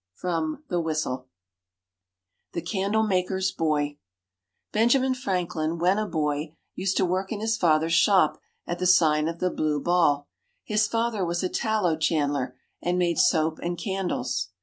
From The Whistle THE CANDLE MAKER'S BOY Benjamin Franklin, when a boy, used to work in his father's shop at the Sign of the Blue Ball. His father was a tallow chandler, and made soap and candles.